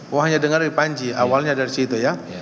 wah hanya dengar dari panji awalnya dari situ ya